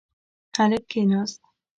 هلک کښېناست.